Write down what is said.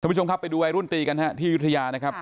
ผู้ชมครับไปดูวัยรุ่นตีกันฮะที่ยุธยานะครับ